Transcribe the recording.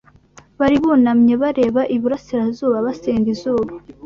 Bari bunamye bareba iburasirazuba, basenga izuba!